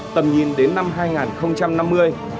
tầm nhìn đến năm hai nghìn năm mươi